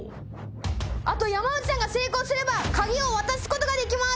あと山内さんが成功すれば鍵を渡すことができます。